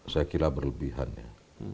saya kira berlebihannya